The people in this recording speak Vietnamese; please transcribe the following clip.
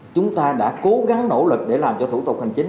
chúng ta đã cố gắng nỗ lực để làm cho thủ tục hành chính